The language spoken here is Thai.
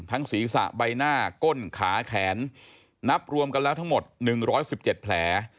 ศีรษะใบหน้าก้นขาแขนนับรวมกันแล้วทั้งหมด๑๑๗แผล